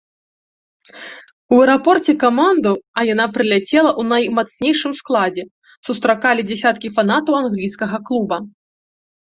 У аэрапорце каманду, а яна прыляцела ў наймацнейшым складзе, сустракалі дзясяткі фанатаў англійскага клуба.